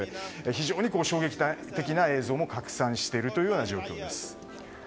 非常に衝撃的な映像も拡散している状況です。